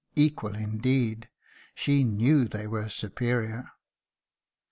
Equal, indeed! she knew they were superior."